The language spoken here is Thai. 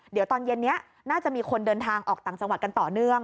เดี๋ยวตอนเย็นนี้น่าจะมีคนเดินทางออกต่างจังหวัดกันต่อเนื่อง